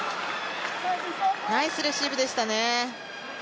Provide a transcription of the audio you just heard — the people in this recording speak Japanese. ナイスレシーブでしたね。